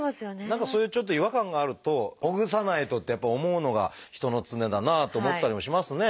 何かそういうちょっと違和感があるとほぐさないとってやっぱり思うのが人の常だなあと思ったりもしますね。